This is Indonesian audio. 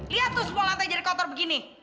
lihat tuh semua lantai jadi kotor begini